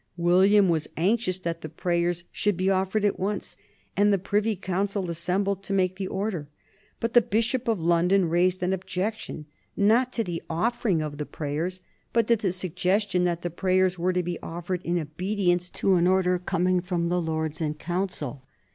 William was anxious that the prayers should be offered at once, and the Privy Council assembled to make the order; but the Bishop of London raised an objection, not to the offering of the prayers, but to the suggestion that the prayers were to be offered in obedience to an order coming from the Lords in Council.